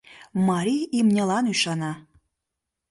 Марий имньылан ӱшана.